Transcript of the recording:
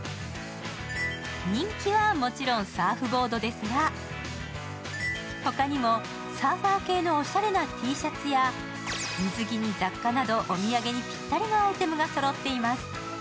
人気はもちろんサーフボードですが、ほかにもサーファー系のおしゃれなＴシャツや水着に雑貨などお土産にぴったりのアイテムがそろっています。